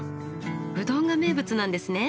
うどんが名物なんですね。